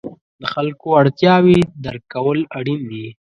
د خلکو اړتیاوې درک کول اړین دي.